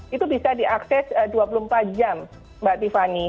itu bisa diakses dua puluh empat jam mbak tiffany